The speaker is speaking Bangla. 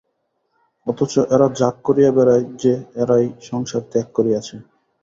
অথচ এরা জাঁক করিয়া বেড়ায় যে এরাই সংসার ত্যাগ করিয়াছে।